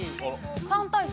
３対３。